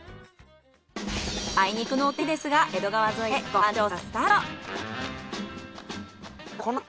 あいにくのお天気ですが江戸川沿いでご飯調査スタート。